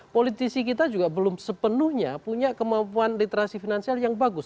politisi kita juga belum sepenuhnya punya kemampuan literasi finansial yang bagus